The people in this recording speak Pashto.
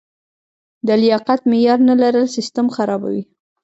د لیاقت معیار نه لرل سیستم خرابوي.